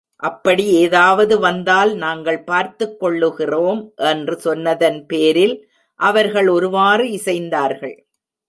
அப்படி ஏதாவது வந்தால் நாங்கள் பார்த்துக் கொள்ளுகிறோம்! என்று சொன்னதன் பேரில், அவர்கள் ஒருவாறு இசைந்தார்கள்.